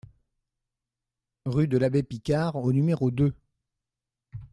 Rue de l'Abbé Picard au numéro deux